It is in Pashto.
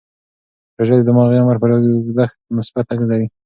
روژه د دماغي عمر پر اوږدښت مثبت اغېز لري.